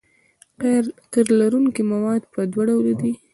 قیر لرونکي مواد په دوه ډوله دي